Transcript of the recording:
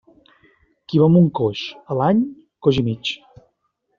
Qui va amb un coix, a l'any, coix i mig.